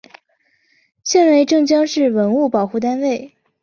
现为镇江市文物保护单位。